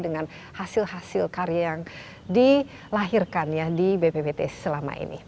dengan hasil hasil karya yang dilahirkan ya di bppt selama ini